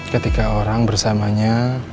ketika orang bersamanya